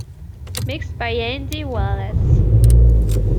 Mixed by Andy Wallace.